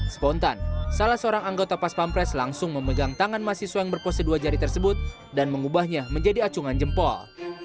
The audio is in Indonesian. spontan salah seorang anggota pas pampres langsung memegang tangan mahasiswa yang berpose dua jari tersebut dan mengubahnya menjadi acungan jempol